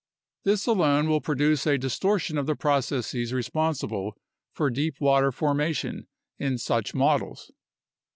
This alone will produce a distortion of the processes responsible for deep water formation in such models.